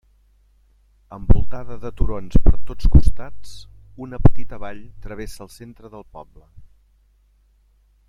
Envoltada de turons per tots costats, una petita vall travessa el centre del poble.